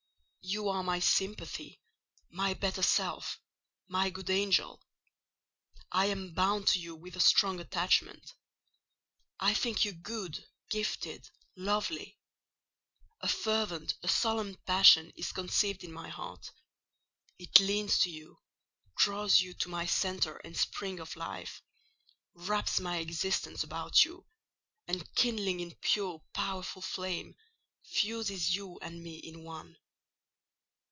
You are my sympathy—my better self—my good angel. I am bound to you with a strong attachment. I think you good, gifted, lovely: a fervent, a solemn passion is conceived in my heart; it leans to you, draws you to my centre and spring of life, wraps my existence about you, and, kindling in pure, powerful flame, fuses you and me in one.